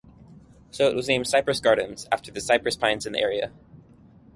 So it was named Cypress Gardens after the cypress pines in the area.